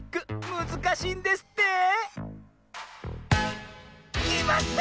むずかしいんですってきまった！